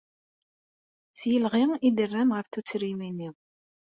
S yilɣi i d-rran ɣef tuttriwin-iw.